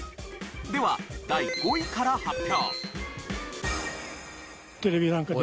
では第５位から発表。